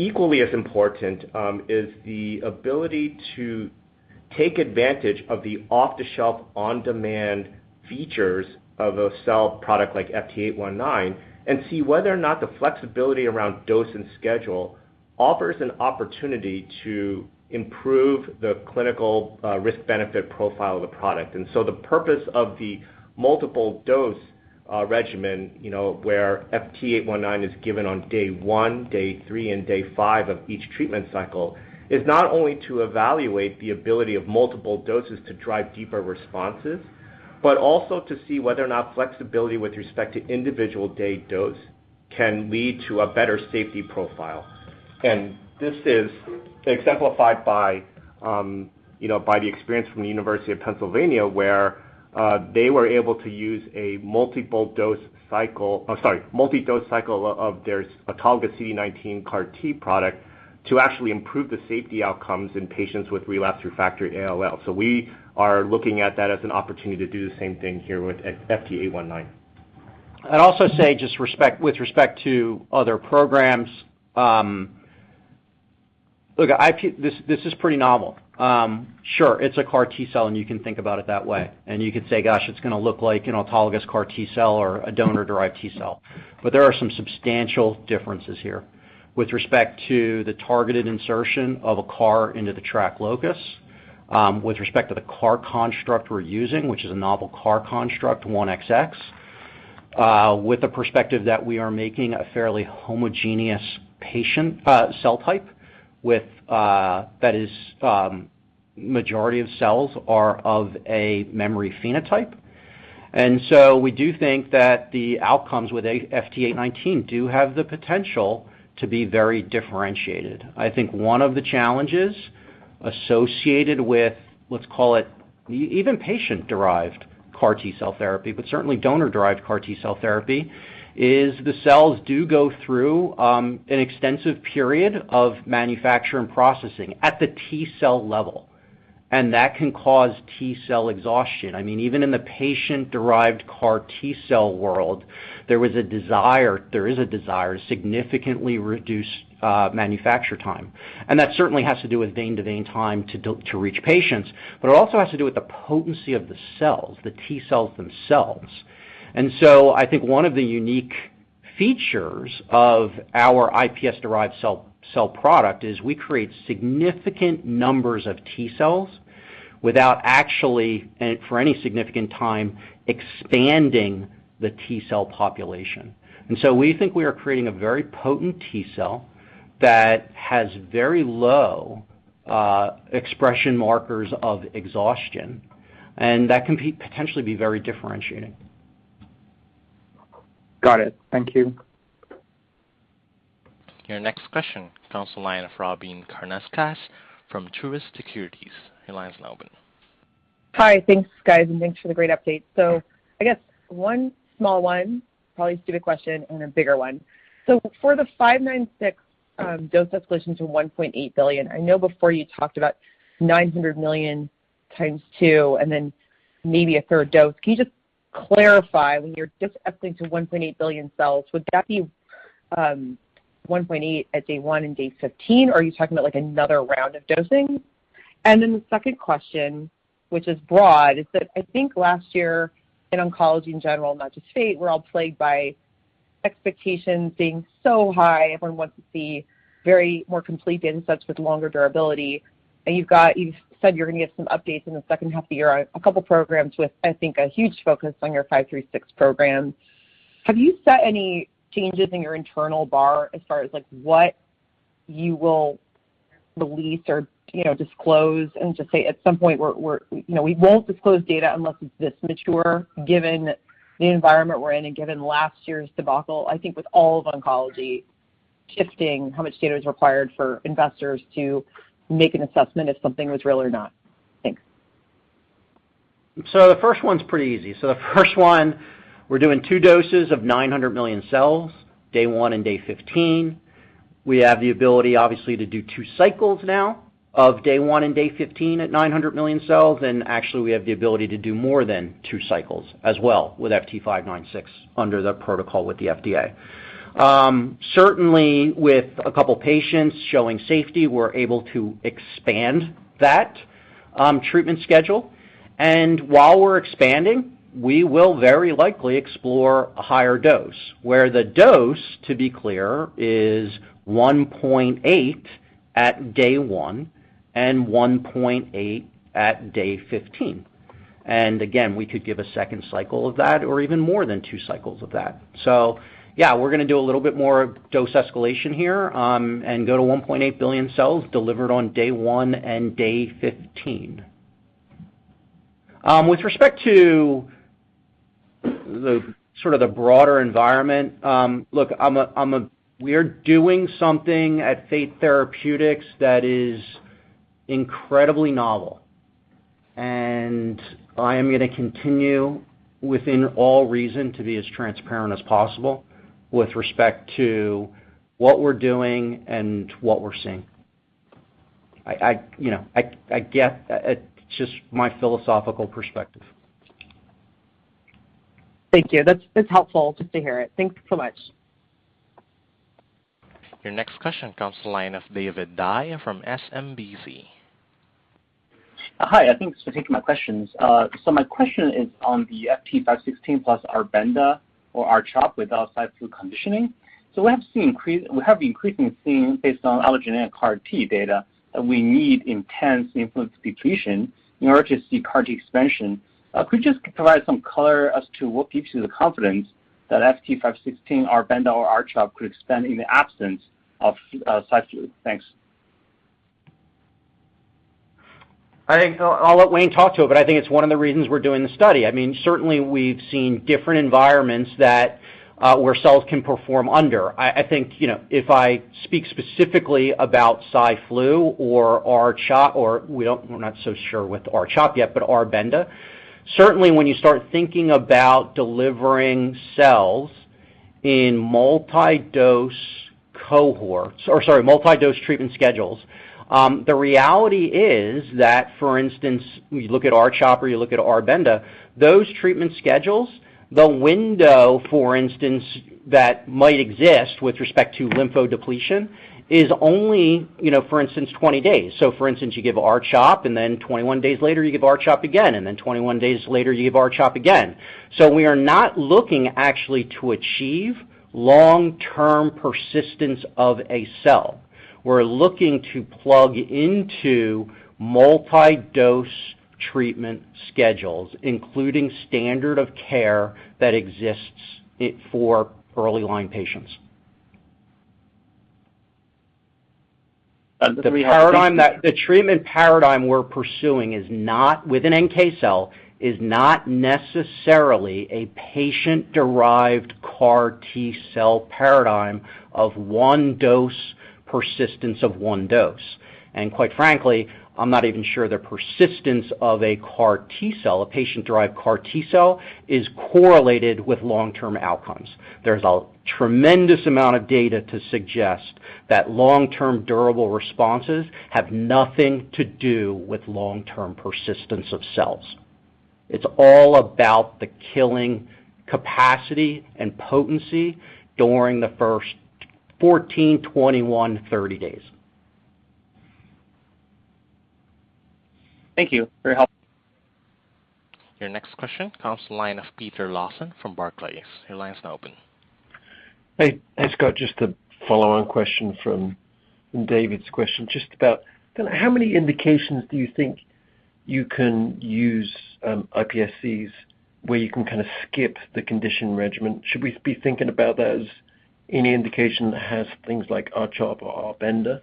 Equally as important is the ability to take advantage of the off-the-shelf, on-demand features of a cell product like FT819 and see whether or not the flexibility around dose and schedule offers an opportunity to improve the clinical risk-benefit profile of the product. The purpose of the multiple dose regimen you know where FT819 is given on day one, day three, and day five of each treatment cycle is not only to evaluate the ability of multiple doses to drive deeper responses, but also to see whether or not flexibility with respect to individual day dose can lead to a better safety profile. This is exemplified by, you know, by the experience from the University of Pennsylvania, where they were able to use a multi-dose cycle of their autologous CD19 CAR T product to actually improve the safety outcomes in patients with relapsed refractory ALL. We are looking at that as an opportunity to do the same thing here with FT819. I'd also say just with respect to other programs, look, this is pretty novel. Sure, it's a CAR T-cell, and you can think about it that way, and you could say, "Gosh, it's gonna look like an autologous CAR T-cell or a donor-derived T-cell." There are some substantial differences here with respect to the targeted insertion of a CAR into the TRAC locus, with respect to the CAR construct we're using, which is a novel CAR construct, 1XX, with the perspective that we are making a fairly homogeneous patient cell type with that is majority of cells are of a memory phenotype. We do think that the outcomes with FT819 do have the potential to be very differentiated. I think one of the challenges associated with, let's call it, even patient-derived CAR T-cell therapy, but certainly donor-derived CAR T-cell therapy, is the cells do go through an extensive period of manufacture and processing at the T-cell level, and that can cause T-cell exhaustion. I mean, even in the patient-derived CAR T-cell world, there was a desire. There is a desire to significantly reduce manufacture time, and that certainly has to do with vein-to-vein time to reach patients, but it also has to do with the potency of the cells, the T-cells themselves. I think one of the unique features of our iPSC-derived cell product is we create significant numbers of T-cells without actually, and for any significant time, expanding the T-cell population. We think we are creating a very potent T-cell that has very low expression markers of exhaustion, and that can potentially be very differentiating. Got it. Thank you. Your next question comes from the line of Robyn Karnauskas from Truist Securities. Your line's now open. Hi. Thanks, guys, and thanks for the great update. I guess one small one, probably a stupid question, and a bigger one. For the FT596, dose escalation to 1.8 billion, I know before you talked about 900 million times two and then maybe a third dose. Can you just clarify when you're dose escalating to 1.8 billion cells, would that be 1.8 at day one and day 15? Or are you talking about like another round of dosing? Then the second question, which is broad, is that I think last year in oncology in general, not just Fate, we're all plagued by expectations being so high, everyone wants to see very much more complete insights with longer durability. You've said you're gonna give some updates in the second half of the year on a couple programs with, I think, a huge focus on your FT536 program. Have you set any changes in your internal bar as far as like what you will release or, you know, disclose and just say at some point we're, you know, we won't disclose data unless it's this mature given the environment we're in and given last year's debacle, I think with all of oncology shifting how much data is required for investors to make an assessment if something was real or not? Thanks. The first one is pretty easy. The first one, we're doing two doses of 900 million cells, day one and day 15. We have the ability obviously to do two cycles now of day one and day 15 at 900 million cells, and actually we have the ability to do more than two cycles as well with FT596 under the protocol with the FDA. Certainly with a couple patients showing safety, we're able to expand that treatment schedule. While we're expanding, we will very likely explore a higher dose, where the dose, to be clear, is 1.8 at day one and 1.8 at day 15. Again, we could give a second cycle of that or even more than two cycles of that. Yeah, we're gonna do a little bit more dose escalation here, and go to 1.8 billion cells delivered on day one and day 15. With respect to the sort of the broader environment, look, we're doing something at Fate Therapeutics that is incredibly novel, and I am gonna continue within all reason to be as transparent as possible with respect to what we're doing and what we're seeing. I, you know, get it's just my philosophical perspective. Thank you. That's helpful just to hear it. Thank you so much. Your next question comes from the line of David Dai from SMBC. Hi, thanks for taking my questions. My question is on the FT516 plus R-Benda or R-CHOP without Cy/Flu conditioning. We have increasingly seen based on allogeneic CAR T data, that we need intense lymphodepletion in order to see CAR T expansion. Could you just provide some color as to what gives you the confidence that FT516, R-Benda or R-CHOP could expand in the absence of Cy/Flu? Thanks. I think I'll let Wayne talk to it, but I think it's one of the reasons we're doing the study. I mean, certainly we've seen different environments that where cells can perform under. I think, you know, if I speak specifically about Cy/Flu or R-CHOP or we're not so sure with R-CHOP yet, but R-Benda. Certainly when you start thinking about delivering cells in multi-dose treatment schedules, the reality is that for instance, when you look at R-CHOP or you look at R-Benda, those treatment schedules, the window, for instance, that might exist with respect to lymphodepletion is only, you know, for instance, 20 days. So for instance, you give R-CHOP, and then 21 days later, you give R-CHOP again, and then 21 days later you give R-CHOP again. We are not looking actually to achieve long-term persistence of a cell. We're looking to plug into multi-dose treatment schedules, including standard of care that exists for early line patients. Let me ask- The treatment paradigm we're pursuing is not with an NK cell, is not necessarily a patient-derived CAR T-cell paradigm of one dose, persistence of one dose. Quite frankly, I'm not even sure the persistence of a CAR T-cell, a patient-derived CAR T-cell is correlated with long-term outcomes. There's a tremendous amount of data to suggest that long-term durable responses have nothing to do with long-term persistence of cells. It's all about the killing capacity and potency during the first 14, 21, 30 days. Thank you. Very helpful. Your next question comes from the line of Peter Lawson from Barclays. Your line is now open. Hey. Hey, Scott, just a follow-on question from David's question, just about kinda how many indications do you think you can use iPSCs where you can kinda skip the conditioning regimen? Should we be thinking about that as any indication that has things like R-CHOP or R-Benda?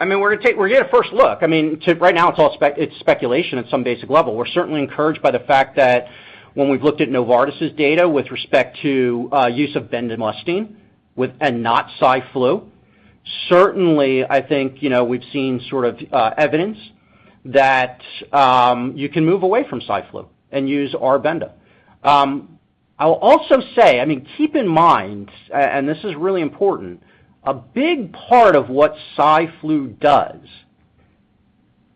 I mean, we're gonna get a first look. I mean, to right now it's all speculation at some basic level. We're certainly encouraged by the fact that when we've looked at Novartis' data with respect to use of bendamustine with and not Cy/Flu. Certainly I think, you know, we've seen sort of evidence that you can move away from Cy/Flu and use R-Benda. I'll also say, I mean, keep in mind and this is really important, a big part of what Cy/Flu does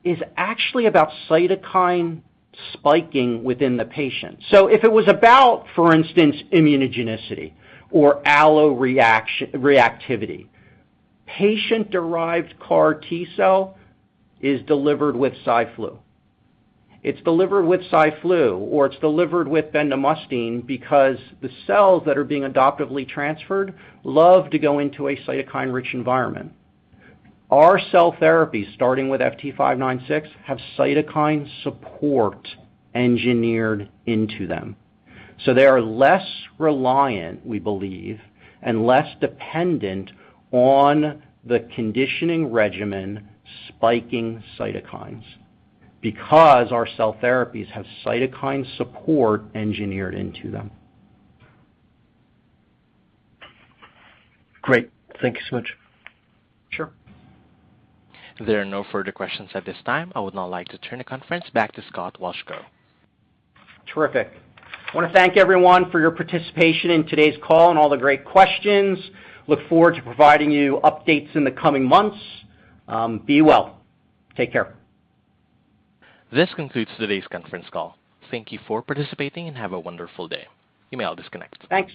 is actually about cytokine spiking within the patient. If it was about, for instance, immunogenicity or alloreactivity, patient-derived CAR T-cell is delivered with Cy/Flu. It's delivered with Cy/Flu, or it's delivered with bendamustine because the cells that are being adoptively transferred love to go into a cytokine-rich environment. Our cell therapy, starting with FT596, have cytokine support engineered into them, so they are less reliant, we believe, and less dependent on the conditioning regimen spiking cytokines because our cell therapies have cytokine support engineered into them. Great. Thank you so much. Sure. There are no further questions at this time. I would now like to turn the conference back to Scott Wolchko. Terrific. I wanna thank everyone for your participation in today's call and all the great questions. I look forward to providing you updates in the coming months. Be well. Take care. This concludes today's conference call. Thank you for participating and have a wonderful day. You may all disconnect. Thanks.